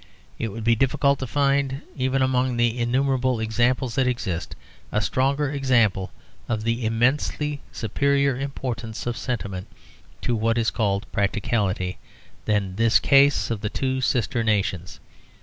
It would be difficult to find, even among the innumerable examples that exist, a stronger example of the immensely superior importance of sentiment to what is called practicality than this case of the two sister nations.